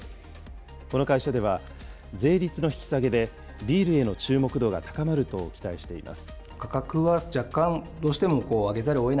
この会社では、税率の引き下げで、ビールへの注目度が高まると期待しています。